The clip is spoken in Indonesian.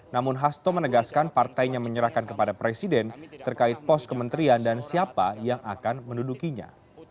namun hasto menegaskan partainya menyerahkan kepada presiden terkait pos kementerian dan siapa yang akan mendudukinya